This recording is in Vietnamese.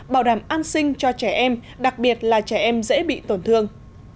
bảo đảm an sinh cho trẻ em đặc biệt là trẻ em dễ bị tổn thương